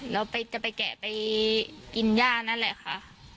เราจะไปแกะไปกินย่านั่นแหละค่ะ